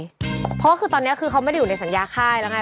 เพราะว่าคือตอนนี้คือเขาไม่ได้อยู่ในสัญญาค่ายแล้วไง